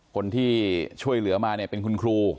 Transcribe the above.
คนที่ช่วยเหลือมาเนี่ยเป็นคุณครู